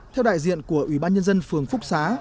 theo đại diện của ủy ban nhân dân phường phúc xá